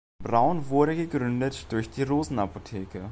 Braun wurde gegründet durch die Rosen-Apotheke.